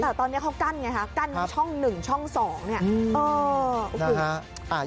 แต่ตอนนี้เขากั้นไงฮะกั้นช่อง๑ช่อง๒เนี่ยโอ้โห